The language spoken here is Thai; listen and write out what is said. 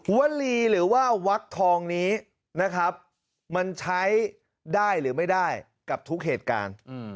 วลีหรือว่าวักทองนี้นะครับมันใช้ได้หรือไม่ได้กับทุกเหตุการณ์